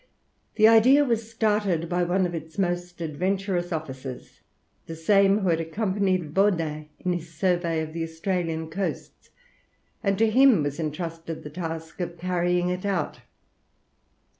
The idea was started by one of its most adventurous officers, the same who had accompanied Baudin in his survey of the Australian coasts, and to him was entrusted the task of carrying it out.